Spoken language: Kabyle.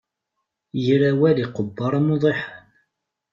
Yir awal iqebbeṛ am uḍiḥan.